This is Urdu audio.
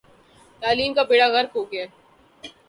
تعلیم کا بیڑہ غرق ہو گیا ہے۔